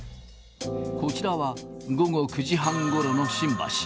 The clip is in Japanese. こちらは、午後９時半ごろの新橋。